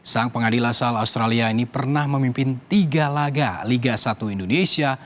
sang pengadil asal australia ini pernah memimpin tiga laga liga satu indonesia